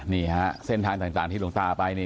นี่ครับเส้นทางต่างที่หลวงตาไป